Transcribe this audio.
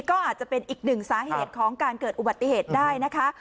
ก็อาจจะเป็นอีกหนึ่งสาเหตุของการเกิดอุบัติเหตุได้นะคะ